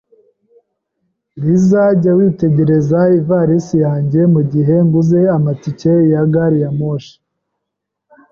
Lisa, jya witegereza ivarisi yanjye mugihe nguze amatike ya gari ya moshi.